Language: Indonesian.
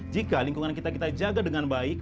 jika lingkungan kita kita jaga dengan baik